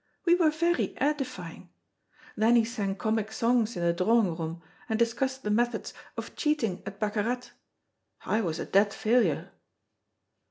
We were very edifying. Then he sang comic songs in the drawing room, and discussed the methods of cheating at baccarat. I was a dead failure."